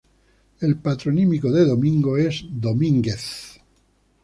El patronímico de Domingo es Domínguez.